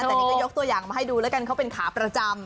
แต่นี่ก็ยกตัวอย่างมาให้ดูแล้วกันเขาเป็นขาประจำ